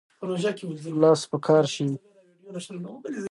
لاس په کار شئ.